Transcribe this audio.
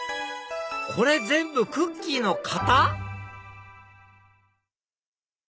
これ全部クッキーの型⁉